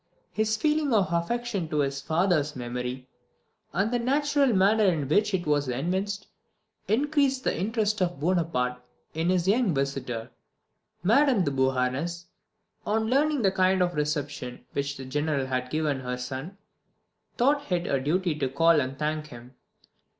This feeling of affection for his father's memory, and the natural manner in which it was evinced, increased the interest of Bonaparte in his young visitor. Madame de Beauharnais, on learning the kind reception which the General had given her son, thought it her duty to call and thank him.